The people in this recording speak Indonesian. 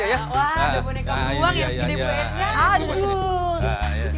wah ada boneka buang ya